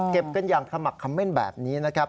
กันอย่างขมักคำเม่นแบบนี้นะครับ